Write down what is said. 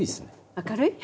明るい？